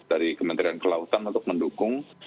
dari kementerian kelautan untuk mendukung